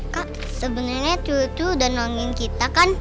kak sebenarnya tuh udah nongin kita kan